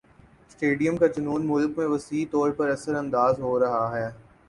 stadium کا جنون مُلک میں وسیع طور پر اثرانداز ہو رہا ہے